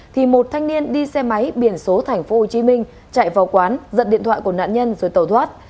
thì một thanh niên đi xe máy biển số tp hcm chạy vào quán giật điện thoại của nạn nhân rồi tàu thoát